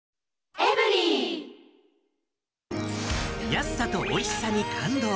安さとおいしさに感動！